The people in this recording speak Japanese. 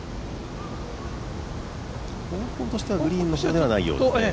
方向としてはグリーンの方ではないようですね。